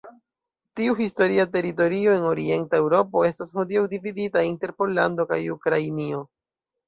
Tiu historia teritorio en Orienta Eŭropo estas hodiaŭ dividita inter Pollando kaj Ukrainio.